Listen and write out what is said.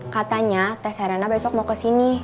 katanya tes serena besok mau kesini